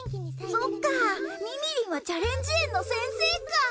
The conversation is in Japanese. そっかみみりんはちゃれんじ園の先生か。